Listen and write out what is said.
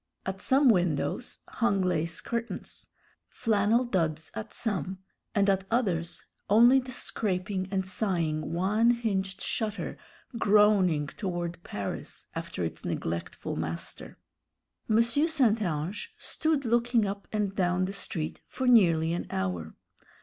At some windows hung lace curtains, flannel duds at some, and at others only the scraping and sighing one hinged shutter groaning toward Paris after its neglectful master. M. St. Ange stood looking up and down the street for nearly an hour.